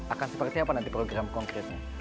akan seperti apa nanti program konkretnya